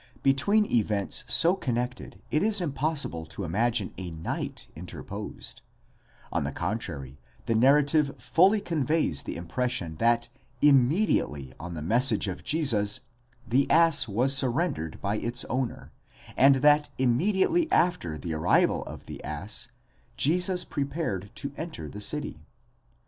Between events so connected it is impossible to imagine a night interposed; on the contrary, the narrative fully conveys the impression that immediately on the message of Jesus, the ass was surrendered by its owner, and that immediately after the arrival of the ass, Jesus prepared to enter the city.